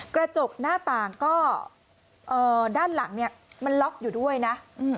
กระจกหน้าต่างก็ด้านหลังเนี่ยมันล็อกอยู่ด้วยนะ